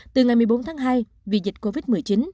từ ngày một mươi bốn tháng hai vì dịch covid một mươi chín